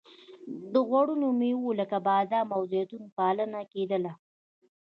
د غوړینو میوو لکه بادام او زیتون پالنه کیدله.